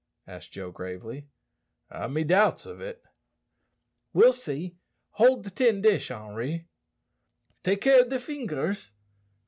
asked Joe gravely; "I've me doubts of it." "We'll see. Hold the tin dish, Henri." "Take care of de fingers.